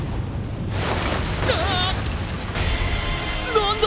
何だ！？